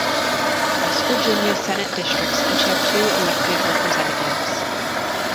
West Virginia Senate districts each have two elected representatives.